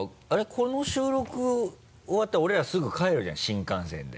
この収録終わったら俺らすぐ帰るじゃない新幹線で。